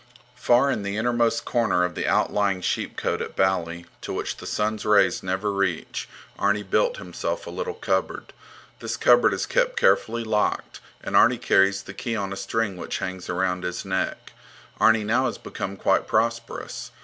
Far in the innermost corner of the outlying sheepcote at Bali, to which the sun's rays never reach, Arni built himself a little cupboard. This cupboard is kept carefully locked, and Arni carries the key on a string which hangs around his neck. Arni now has become quite prosperous.